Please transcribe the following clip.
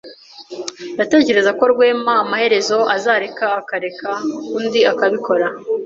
Ndatekereza ko Rwema amaherezo azareka akareka undi akabikora.